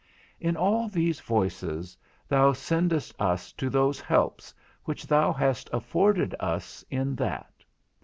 In all these voices thou sendest us to those helps which thou hast afforded us in that.